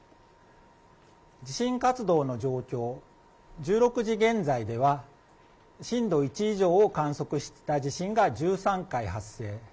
地震活動の状況、１６時現在では、震度１以上を観測した地震が１３回発生。